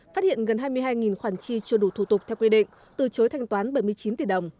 phát hiện gần hai mươi hai khoản chi chưa đủ thủ tục theo quy định từ chối thanh toán bảy mươi chín tỷ đồng